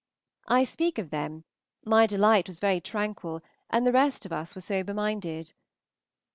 I speak of them; my delight was very tranquil, and the rest of us were sober minded.